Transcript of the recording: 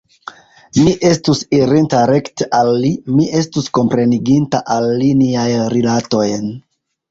Mi estus irinta rekte al li; mi estus kompreniginta al li niajn rilatojn.